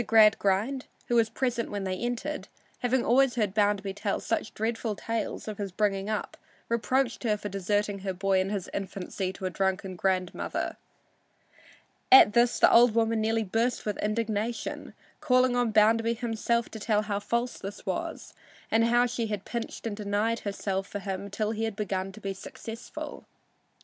Gradgrind, who was present when they entered, having always heard Bounderby tell such dreadful tales of his bringing up, reproached her for deserting her boy in his infancy to a drunken grandmother. At this the old woman nearly burst with indignation, calling on Bounderby himself to tell how false this was and how she had pinched and denied herself for him till he had begun to be successful.